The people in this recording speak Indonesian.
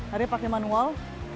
hari ini pakai manual